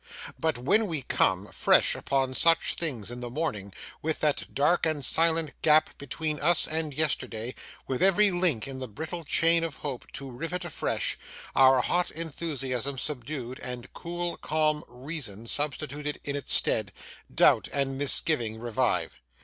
But when we come, fresh, upon such things in the morning, with that dark and silent gap between us and yesterday; with every link in the brittle chain of hope, to rivet afresh; our hot enthusiasm subdued, and cool calm reason substituted in its stead; doubt and misgiving revive.